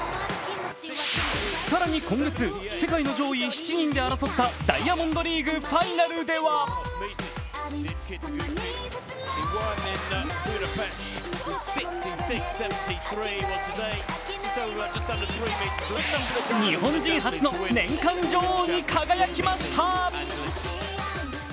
更に今月、世界の上位７人で争ったダイヤモンドリーグファイナルでは日本人初の年間女王に輝きました。